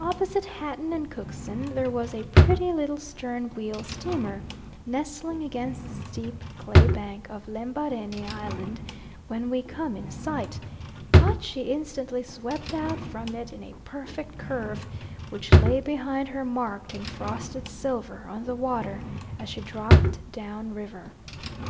Opposite Hatton and Cookson's there was a pretty little stern wheel steamer nestling against the steep clay bank of Lembarene Island when we come in sight, but she instantly swept out from it in a perfect curve, which lay behind her marked in frosted silver on the water as she dropt down river.